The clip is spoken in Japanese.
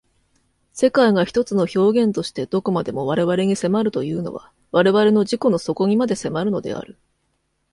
世界が一つの表現として何処までも我々に迫るというのは我々の自己の底にまで迫るのである。